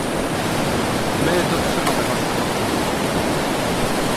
My dotrzymamy wam kroku